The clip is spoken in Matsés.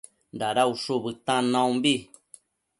Dada ushu bëtan naumbi